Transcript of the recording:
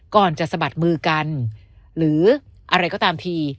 ก่อนจะสะบัดมือกันหรืออะไรก็ตามที